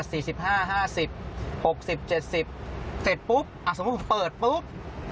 เสร็จปุ๊บสมมุติว่าผมเปิดปุ๊บ